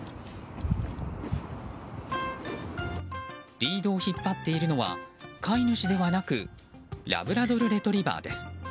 リードを引っ張っているのは飼い主ではなくラブラドルレトリバーです。